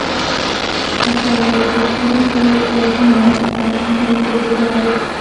متل دی: پوښتنه کول عیب نه، بلکه نه پوهېدل عیب دی.